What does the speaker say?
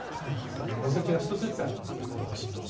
墓石が１つずつあったという形なんです。